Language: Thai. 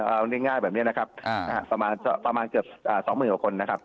เอาง่ายแบบนี้นะครับประมาณเกือบ๒๐๐๐๐คนนะครับ